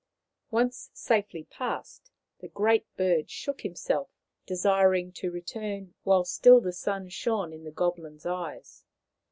Once safely past, the Great Bird shook him self, desiring to return while still the sun shone in the goblin's eyes.